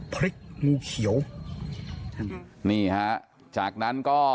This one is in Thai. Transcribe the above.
พริกงูเขียวนี่ฮะ